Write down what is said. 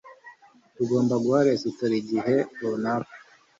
Tugomba guha resitora igihe runaka